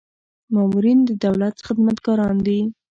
مامورین د دولت خدمتګاران دي